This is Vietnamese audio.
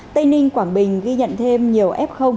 tây ninh quảng bình ghi nhận thêm nhiều f